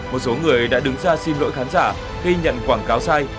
một số người đã đứng ra xin lỗi khán giả khi nhận quảng cáo sai